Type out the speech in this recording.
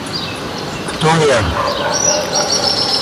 Кто я?